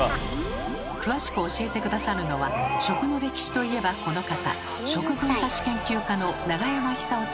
詳しく教えて下さるのは食の歴史といえばこの方！